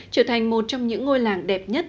trở thành một trong những ngôi làng đẹp nhất